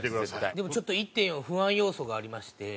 でもちょっと１．４不安要素がありまして。